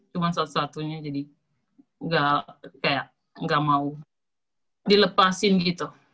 cuma satu satunya jadi kayak nggak mau dilepasin gitu